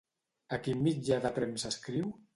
A quin mitjà de premsa escriu?